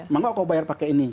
mau nggak aku bayar pakai ini